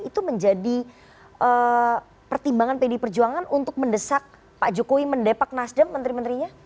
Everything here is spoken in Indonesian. itu menjadi pertimbangan pdi perjuangan untuk mendesak pak jokowi mendepak nasdem menteri menterinya